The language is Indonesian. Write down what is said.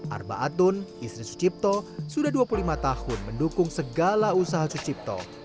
arba atun istri sucipto sudah dua puluh lima tahun mendukung segala usaha sucipto